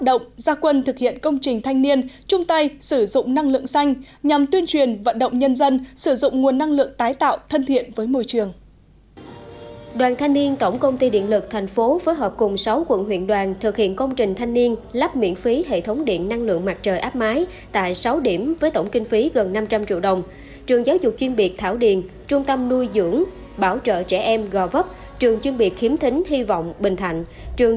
với thời tiết nắng nóng nhu cầu sử dụng điện tăng cao công trình hệ thống điện năng lượng mặt trời áp máy tiết kiệm chi phí rất lớn cho nhà trường